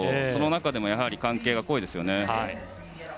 その中でもやはり関係は濃いですよね。